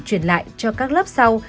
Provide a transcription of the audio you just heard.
truyền lại cho các lớp sau